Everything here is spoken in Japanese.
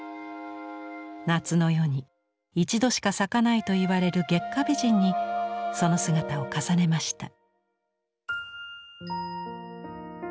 夏の夜に一度しか咲かないと言われる月下美人にその姿を重ねました。